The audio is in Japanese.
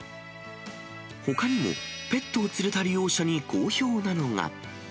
ほかにもペットを連れた利用者に好評なのが。